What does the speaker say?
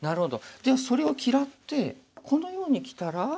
じゃあそれを嫌ってこのようにきたら？